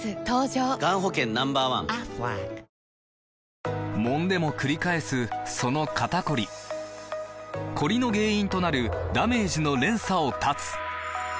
わかるぞもんでもくり返すその肩こりコリの原因となるダメージの連鎖を断つ！